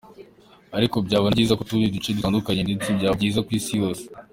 Ariko byaba na byiza ku tundi duce dutandukanye ndetse byaba byiza ku Isi yose.